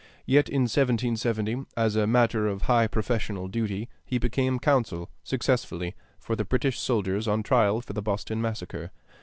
Yet in 1770, as a matter of high professional duty, he became counsel (successfully) for the British soldiers on trial for the "Boston Massacre."